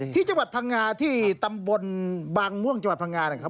ที่จังหวัดพังงาที่ตำบลบางม่วงจังหวัดพังงานะครับ